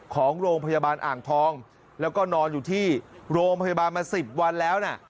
ของโรงพยาบาลอ่างทองแล้วก็นอนอยู่ที่โรงพยาบาลมา๑๐วันแล้วนะ